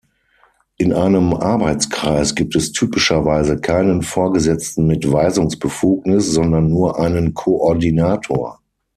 In einem Arbeitskreis gibt es typischerweise keinen Vorgesetzten mit Weisungsbefugnis, sondern nur einen Koordinator.